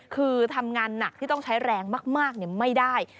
คือทำงานหนักที่ต้องใช้แรงมากไม่ได้